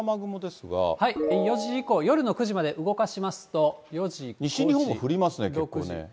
４時以降、夜の９時まで動か西日本も降りますね、結構ね。